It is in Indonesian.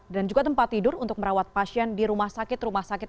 dan juga tempat tidur untuk merawat pasien di rumah sakit rumah sakit